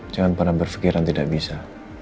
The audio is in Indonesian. jangan pernah berpikiran tidak bisa